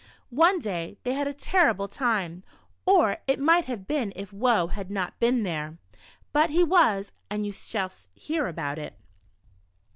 One day they had a terrible time, or it might have been if Woe had not been there. But he was, and you shall hear about it.